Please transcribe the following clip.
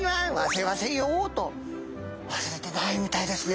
「忘れませんよ」と忘れてないみたいですね。